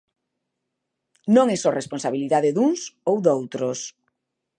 Non é só responsabilidade duns ou doutros.